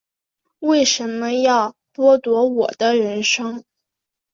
为什么要剥夺我的人生